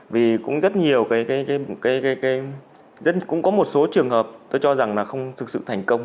vì cũng rất nhiều cái cũng có một số trường hợp tôi cho rằng là không thực sự thành công